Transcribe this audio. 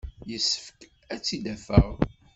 Yessefk ad tt-id-afeɣ.